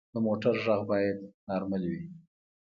د موټر غږ باید نارمل وي.